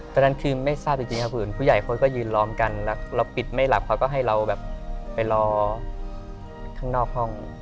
ตอนนั้นคือไม่ทราบจริงครับคุณผู้ใหญ่คนก็ยืนล้อมกันแล้วเราปิดไม่หลับเขาก็ให้เราแบบไปรอข้างนอกห้อง